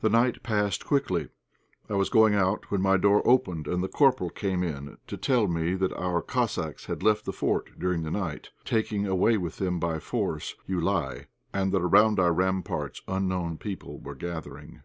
The night passed quickly. I was going out, when my door opened and the corporal came in to tell me that our Cossacks had left the fort during the night, taking away with them by force Joulaï, and that around our ramparts unknown people were galloping.